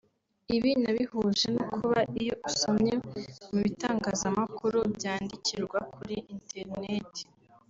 Ibi nabihuje no kuba iyo usomye mu bitangazamakuru byandikirwa kuri interineti